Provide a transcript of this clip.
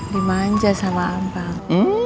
dimanja sama abang